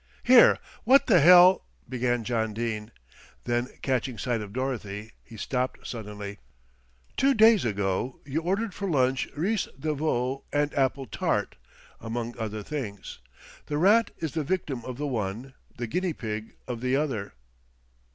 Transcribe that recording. "Here, what the hell !" began John Dene, then catching sight of Dorothy he stopped suddenly. "Two days ago you ordered for lunch ris de veau and apple tart among other things. The rat is the victim of the one, the guinea pig of the other."